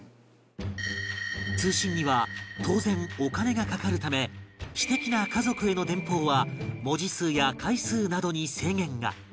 通信には当然お金がかかるため私的な家族への電報は文字数や回数などに制限が